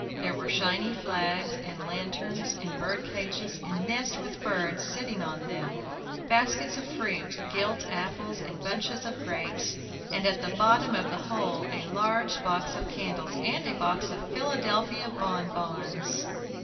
There were shining flags and lanterns, and birdcages, and nests with birds sitting on them, baskets of fruit, gilt apples and bunches of grapes, and, at the bottom of the whole, a large box of candles and a box of Philadelphia bonbons!